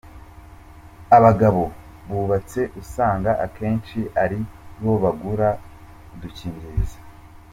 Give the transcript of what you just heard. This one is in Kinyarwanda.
Abagabo bubatse usanga akenshi ari bo bagura udukingirizo.